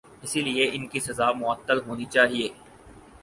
اسی لئے ان کی سزا معطل ہونی چاہیے۔